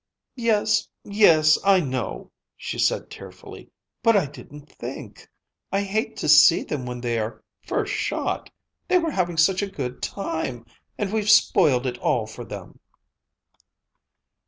"Yes, yes, I know," she said tearfully, "but I didn't think. I hate to see them when they are first shot. They were having such a good time, and we've spoiled it all for them."